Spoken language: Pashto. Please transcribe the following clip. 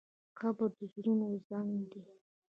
قبر د زړونو زنګ دی.